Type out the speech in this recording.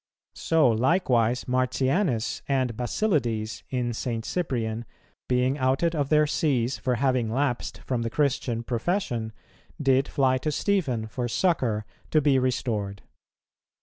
So likewise Martianus and Basilides in St. Cyprian, being outed of their Sees for having lapsed from the Christian profession, did fly to Stephen for succour, to be restored.